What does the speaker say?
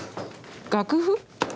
楽譜？